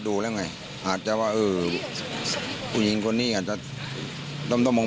ดูแล้วไงอาจจะว่าเออผู้หญิงคนนี้อาจจะต้องมอง